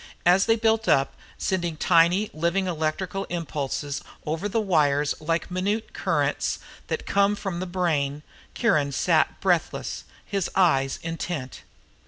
As they built up, sending tiny living electrical impulses over the wires like minute currents that come from the brain, Kiron sat breathless; his eyes intent.